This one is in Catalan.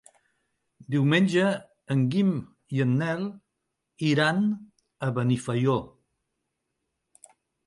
Diumenge en Guim i en Nel iran a Benifaió.